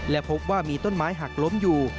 และพบว่ามีต้นไม้หักล้มอยู่